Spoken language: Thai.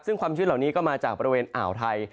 ซึ่งความชื้นเหล่านี้ก็มาจากบริเวณอ่าวไทย